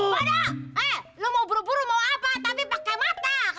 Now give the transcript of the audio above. aduh lo mau buru buru mau apa tapi pakai mata